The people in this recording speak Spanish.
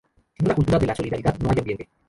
Sin una cultura de la solidaridad, no hay ambiente.